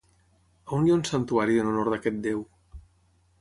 On hi ha un santuari en honor d'aquest déu?